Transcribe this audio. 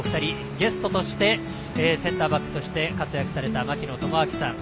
ゲストとしてセンターバックとして活躍された槙野智章さん。